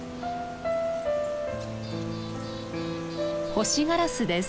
ホシガラスです。